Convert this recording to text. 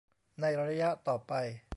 ในระยะต่อไป